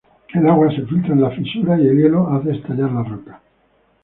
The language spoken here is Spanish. El agua se filtra en las fisuras y el hielo hace estallar la roca.